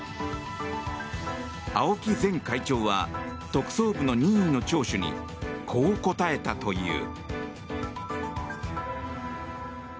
青木前会長は特捜部の任意の聴取にこう答えたという。